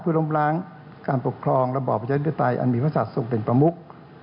เพื่อล้มล้างการปกครองระบอบประชาธิปไตยอันมีพระศัตว์ทรงเป็นประมุก